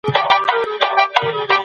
امنيت د پرمختګ ضامن دی.